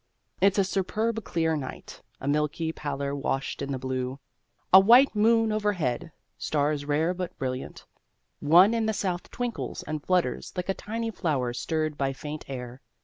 It's a superb clear night: a milky pallor washed in the blue: a white moon overhead: stars rare but brilliant, one in the south twinkles and flutters like a tiny flower stirred by faint air.